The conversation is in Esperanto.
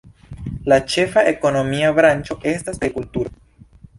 La ĉefa ekonomia branĉo estas agrikulturo.